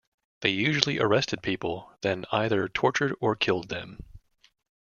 They usually arrested people, then either tortured or killed them.